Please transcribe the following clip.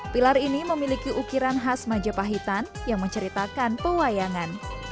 pilar ini memiliki ukiran khas majapahitan yang menceritakan pewayangan